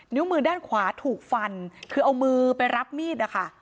นิ้วมือด้านขวาถูกฟันคือเอามือไปรับมีดนะคะ